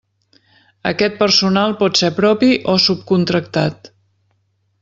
Aquest personal pot ser propi o subcontractat.